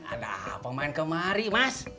ada pemain kemari mas